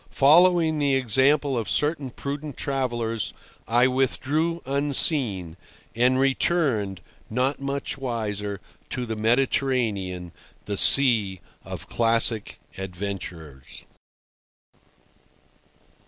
Following the example of certain prudent travellers, I withdrew unseen—and returned, not much wiser, to the Mediterranean, the sea of classic adventures.